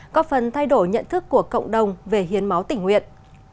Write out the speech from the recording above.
có phần thay đổi nhận thức của cộng đồng về hiến máu tỉnh nguyện